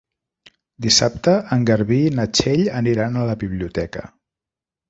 Dissabte en Garbí i na Txell aniran a la biblioteca.